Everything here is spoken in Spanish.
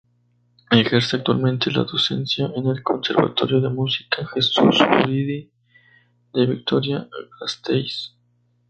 Ejerce actualmente la docencia en el Conservatorio de música "Jesús Guridi" de Vitoria-Gasteiz.